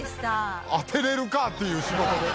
当てれるか！っていう仕事ね。